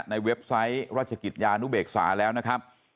เว็บไซต์ราชกิจยานุเบกษาแล้วนะครับ